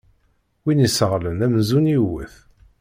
Win yesseɣlen amzun yewwet.